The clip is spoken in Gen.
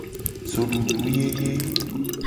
Zodudu yeye.